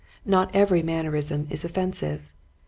Not every man nerism is offensive.